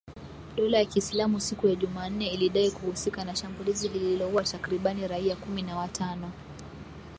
Dola ya Kiislamu siku ya Jumanne ilidai kuhusika na shambulizi lililoua takribani raia kumi na watano.